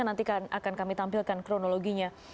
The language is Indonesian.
nanti akan kami tampilkan kronologinya